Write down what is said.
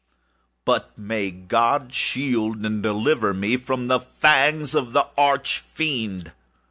But may God shield and deliver me from the fangs of the Arch Fiend!